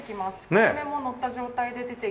小梅ものった状態で出てきて。